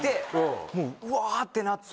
もううわぁ！ってなって。